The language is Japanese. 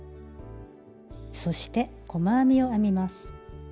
そして細編みを編みます。